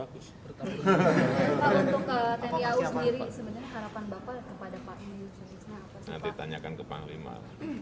pak untuk tni au sendiri sebenarnya harapan bapak kepada pak ini seharusnya apa